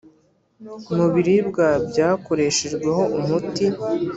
mu biribwa byakoreshejweho umuti